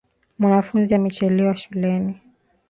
Mwanafunzi amechelewa shuleni.